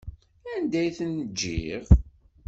Anda i ten-ǧǧiɣ?